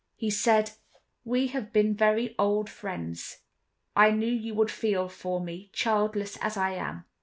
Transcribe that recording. He said: "We have been very old friends; I knew you would feel for me, childless as I am.